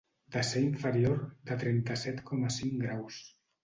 De ser inferior de trenta-set coma cinc graus.